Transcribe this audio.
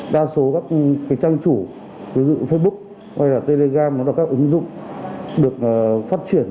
đa số các trang chủ ví dụ facebook hay telegram là các ứng dụng được phát triển